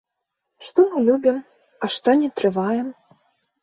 Што мы любім, а што не трываем?